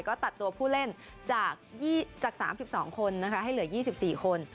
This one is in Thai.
ก็ตัดตัวผู้เล่นจาก๓๒คนนะคะให้เหลือ๒๔คน